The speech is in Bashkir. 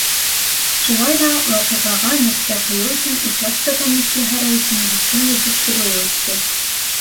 Шулай ҙа ваҡиғаға нөктә ҡуйыу өсөн участка комиссияһы рәйесе медицина тикшереүе үтте.